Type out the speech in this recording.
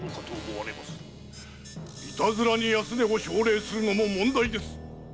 いたずらに安値を奨励するのも問題です。